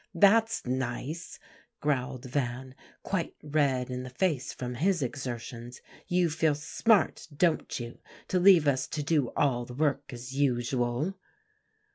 "That's nice," growled Van, quite red in the face from his exertions; "you feel smart, don't you, to leave us to do all the work as usual."